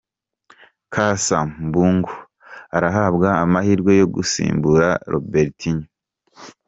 Casa Mbungo arahabwa amahirwe yo gusimbura Robertinho.